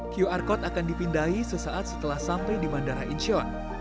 qr code akan dipindahi sesaat setelah sampai di bandara incheon